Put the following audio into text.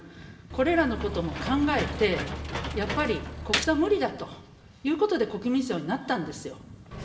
これらのことも考えて、やっぱり国葬は無理だということで、国民葬になったんですよ。